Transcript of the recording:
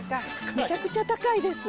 めちゃくちゃ高いです。